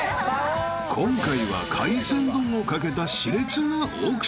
［今回は海鮮丼をかけた熾烈なオークションバトル］